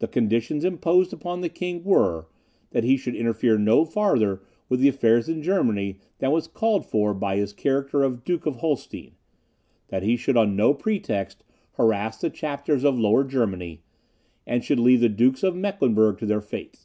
The conditions imposed upon the king were, that he should interfere no farther with the affairs of Germany than was called for by his character of Duke of Holstein; that he should on no pretext harass the Chapters of Lower Germany, and should leave the Dukes of Mecklenburgh to their fate.